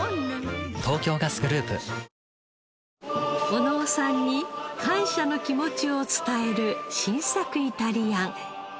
小野尾さんに感謝の気持ちを伝える新作イタリアン。